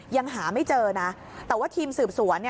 ยังหาไม่เจอนะแต่ว่าทีมสืบสวน